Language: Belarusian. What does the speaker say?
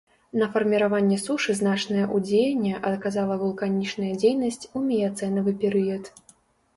На фарміраванне сушы значнае ўздзеянне аказала вулканічная дзейнасць у міяцэнавы перыяд.